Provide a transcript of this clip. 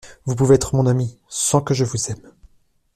Vous pouvez être mon ami, sans que je vous aime.